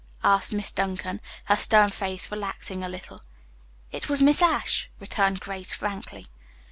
asked Miss Duncan, her stern face relaxing a little. "It was Miss Ashe," returned Grace frankly.